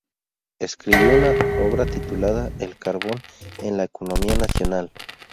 Escribió una obra titulada "El carbón en la economía nacional".